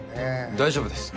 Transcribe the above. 大丈夫です。